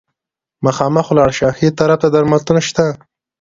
مخامخ ولاړ شه، ښي طرف ته درملتون شته.